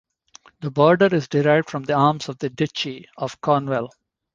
The border is derived from the arms of the Duchy of Cornwall.